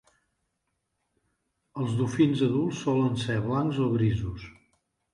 Els dofins adults solen ser blancs o grisos.